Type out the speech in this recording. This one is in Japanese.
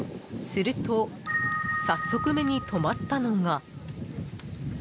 すると早速、目に留まったのが。